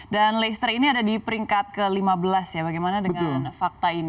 dan leicester ini ada di peringkat ke lima belas ya bagaimana dengan fakta ini